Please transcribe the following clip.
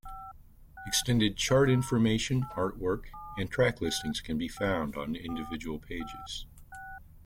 Extended chart information, artwork and track listings can be found on individual pages.